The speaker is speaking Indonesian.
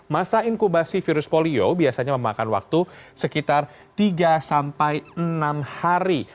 masa inkubasi virus polio biasanya memakan waktu sekitar tiga sampai enam hari